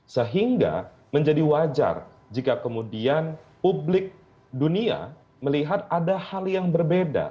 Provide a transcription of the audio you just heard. sehingga menjadi wajar jika kemudian publik dunia melihat ada hal yang berbeda